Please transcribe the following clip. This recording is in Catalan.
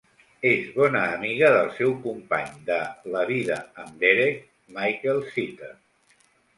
Es bona amiga del seu company de "La vida amb Derek", Michael Seater.